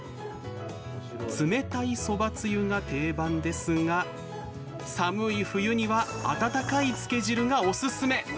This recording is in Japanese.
冷たいそばつゆが定番ですが寒い冬には温かいつけ汁がオススメ！